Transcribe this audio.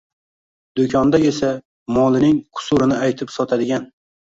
Do'konda esa, molining kusurini aytib sotadigan